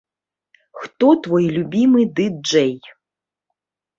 Хто твой любімы ды-джэй?